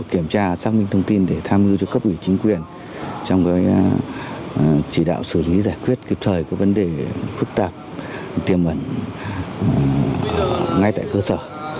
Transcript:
kiểm tra xác minh thông tin để tham mưu cho cấp ủy chính quyền trong chỉ đạo xử lý giải quyết kịp thời các vấn đề phức tạp tiềm ẩn ngay tại cơ sở